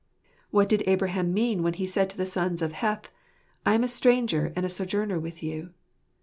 What did Abraham mean when he said to the sons of Heth, "I am a stranger and a sojourner with you"?